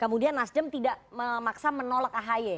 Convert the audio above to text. kemudian nasdem tidak memaksa menolak ahy